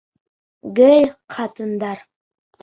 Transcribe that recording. Гел ҡатындар.